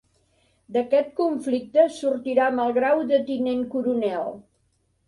D'aquest conflicte sortirà amb el grau de Tinent Coronel.